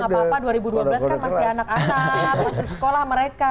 gapapa dua ribu dua belas kan masih anak anak masih sekolah mereka